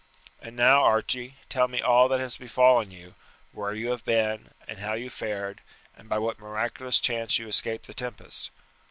And now, Archie, tell me all that has befallen you, where you have been, and how you fared, and by what miraculous chance you escaped the tempest.